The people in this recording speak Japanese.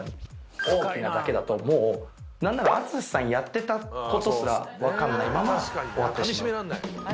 「大きな」だけだともう何ならＡＴＳＵＳＨＩさんやってたことすら分かんないまま終わってしまう。